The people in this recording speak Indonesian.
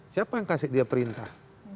siapa yang kasih dia perintah